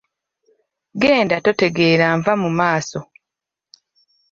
Genda totegeera nva mu maaso.